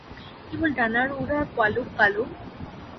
কেবল ডানার ওড়ার পালক কালো।